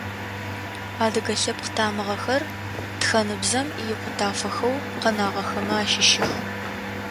Адыгэ лъэпкъ тамыгъэхэр, тхэныбзэм икъутафэхэу къэнагъэхэмэ ащыщых.